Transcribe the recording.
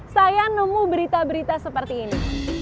saya nemu berita berita seperti ini